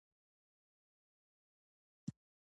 تاسو کله خپل ځانونه واکسين کړي دي؟